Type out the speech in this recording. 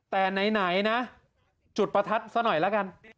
แต่ไหนนะจุดประทัดซะหน่อยละกัน